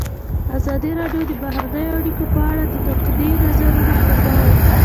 ازادي راډیو د بهرنۍ اړیکې په اړه د نقدي نظرونو کوربه وه.